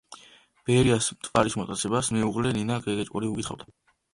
ბერიას „მთვარის მოტაცებას“ მეუღლე, ნინა გეგეჭკორი უკითხავდა.